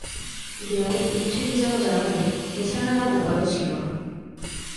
দেয়ালে পিঠ ঠেকে যাওয়া জার্মানির এ ছাড়া আর উপায়ও ছিল না।